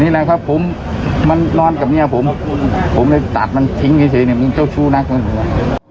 นี่แหละครับผมมันนอนกับเมียผมผมเลยตัดมันทิ้งเฉยเฉยเนี้ย